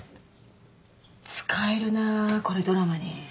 使えるなこれドラマに。